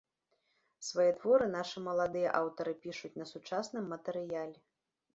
Свае творы нашы маладыя аўтары пішуць на сучасным матэрыяле.